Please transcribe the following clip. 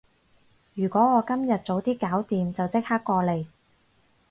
如果我今日早啲搞掂，就即刻過嚟